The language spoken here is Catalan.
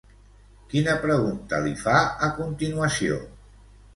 Quina pregunta li fa, a continuació?